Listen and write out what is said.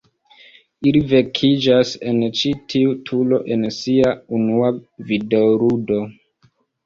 Ili vekiĝas en ĉi tiu turo en sia unua videoludo.